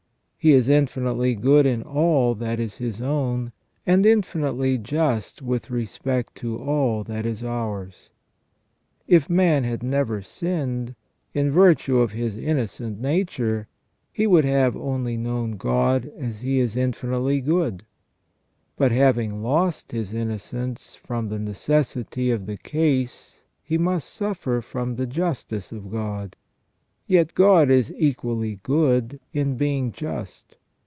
He is infinitely good in all that is His own, and infinitely just with respect to all that is ours. If man had never sinned, in virtue of his innocent nature he would have only known God as He is infinitely good. But having lost his innocence, from the necessity of the case he must suffer from the justice of God. Yet God is equally good in being just.